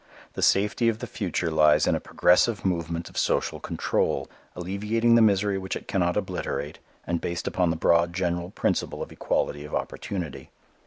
The safety of the future lies in a progressive movement of social control alleviating the misery which it cannot obliterate and based upon the broad general principle of equality of opportunity.